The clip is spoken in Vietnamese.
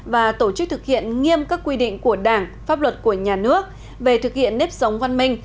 và tổ chức thực hiện nghiêm các quy định của đảng pháp luật của nhà nước về thực hiện nếp sống văn minh